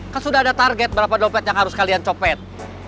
kan sudah ada target berapa dompet yang harus kalian copet